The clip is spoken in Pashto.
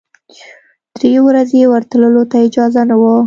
درې ورځې ورتللو ته اجازه نه وه.